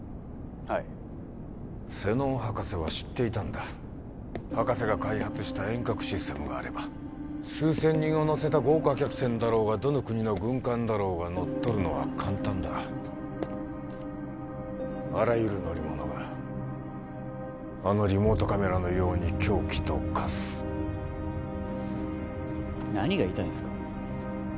はい瀬能博士は知っていたんだ博士が開発した遠隔システムがあれば数千人を乗せた豪華客船だろうがどの国の軍艦だろうが乗っ取るのは簡単だあらゆる乗り物があのリモートカメラのように凶器と化す何が言いたいんですか？